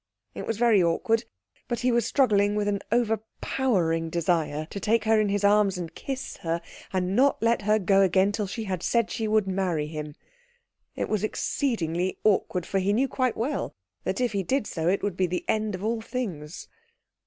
It was very awkward, but he was struggling with an overpowering desire to take her in his arms and kiss her, and not let her go again till she had said she would marry him. It was exceedingly awkward, for he knew quite well that if he did so it would be the end of all things.